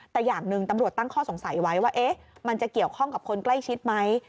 แต่อย่างหนึ่งตำรวจตั้งข้อสงสัยไว้ว่ามันจะเกี่ยวข้องกับคนใกล้ชิดไหม